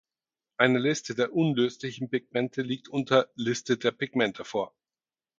Eine Liste der unlöslichen Pigmente liegt unter Liste der Pigmente vor.